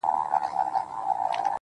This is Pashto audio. قربانو مخه دي ښه,